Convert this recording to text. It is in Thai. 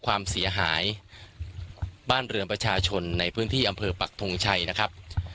ความเสียหายบ้านเรือนประชาชนในพื้นที่อำเภอปักทงชัยนะครับ